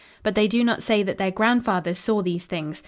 But they do not say that their grandfathers saw these things.